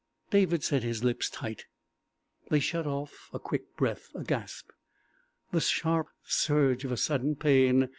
David set his lips tight. They shut off a quick breath, a gasp, the sharp surge of a sudden pain.